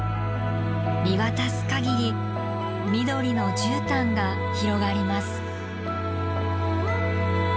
見渡すかぎり緑のじゅうたんが広がります。